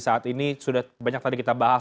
saat ini sudah banyak tadi kita bahas